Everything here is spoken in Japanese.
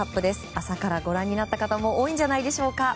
朝からご覧になった方も多いんじゃないでしょうか。